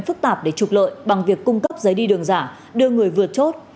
phức tạp để trục lợi bằng việc cung cấp giấy đi đường giả đưa người vượt chốt